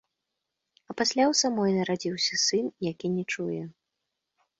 А пасля ў самой нарадзіўся сын, які не чуе.